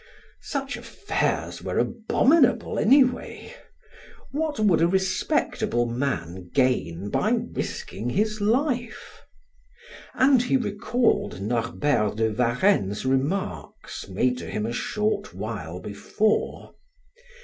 Such affairs were abominable anyway! What would a respectable man gain by risking his life? And he recalled Norbert de Varenne's remarks, made to him a short while before.